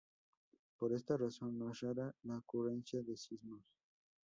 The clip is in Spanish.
Por esta razón, no es rara la ocurrencia de sismos.